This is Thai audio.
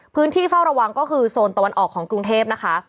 เฝ้าระวังก็คือโซนตะวันออกของกรุงเทพนะคะ